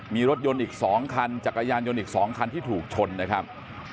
มีรถยนต์อีก๒คันจักรยานยนต์อีก๒คันที่ถูกชนนะครับ